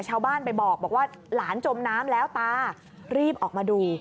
ชาวบ้านไปบอกว่าหลานจมน้ำแล้วตารีบออกมาดู